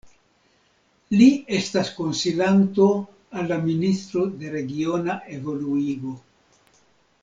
Li estas konsilanto al la Ministro de Regiona Evoluigo.